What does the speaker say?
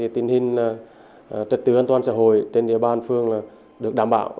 tình hình trật tự an toàn xã hội trên địa bàn phường được đảm bảo